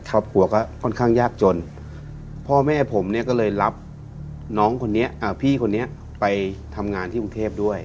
ครอบครัวก็ค่อนข้างยากจนพ่อแม่ผมเนี่ยก็เลยรับน้องคนนี้พี่คนนี้ไปทำงานที่กรุงเทพด้วย